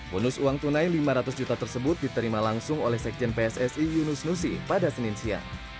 bonus uang tunai lima ratus juta tersebut diterima langsung oleh sekjen pssi yunus nusi pada senin siang